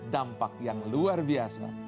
dampak yang luar biasa